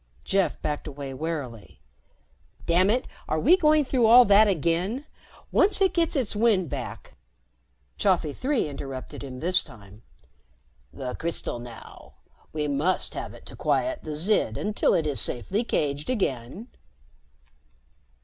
Jeff backed away warily. "Damn it, are we going through all that again? Once it gets its wind back " Chafi Three interrupted him this time. "The crystal now. We must have it to quiet the Zid until it is safely caged again."